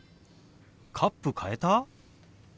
カップ変えた？